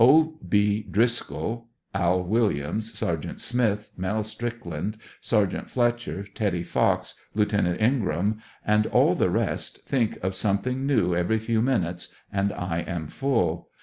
O. B. Driscoll, Al. Williams, Sergt. Smith, Mell Strickland, Sergt, Fletcher, Teddy Fox, Lieut. Ingraham and all the rest think of some thing new every few minutes, and I am full.